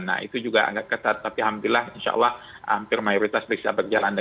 nah itu juga agak ketat tapi alhamdulillah insya allah hampir mayoritas bisa berjalan